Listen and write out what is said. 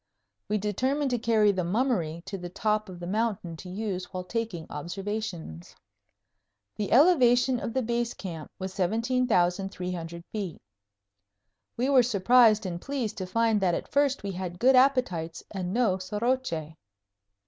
We determined to carry the "Mummery" to the top of the mountain to use while taking observations. The elevation of the Base Camp was 17,300 feet. We were surprised and pleased to find that at first we had good appetites and no soroche.